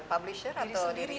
publisher atau diri sendiri